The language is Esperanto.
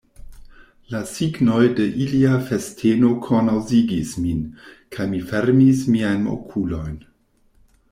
La signoj de ilia festeno kornaŭzigis min, kaj mi fermis miajn okulojn.